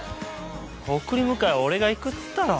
送り迎えは俺が行くっつったろ？